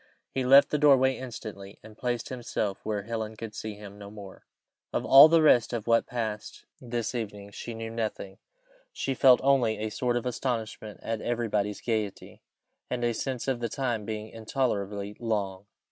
He left the doorway instantly, and placed himself where Helen could see him no more. Of all the rest of what passed this evening she knew nothing; she felt only a sort of astonishment at everybody's gaiety, and a sense of the time being intolerably long.